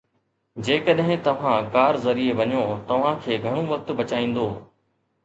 جيڪڏهن توهان ڪار ذريعي وڃو، توهان کي گهڻو وقت بچائيندو.